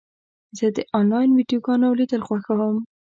زه د انلاین ویډیوګانو لیدل خوښوم.